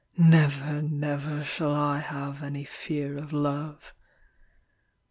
Never, never shall I have any fear of love.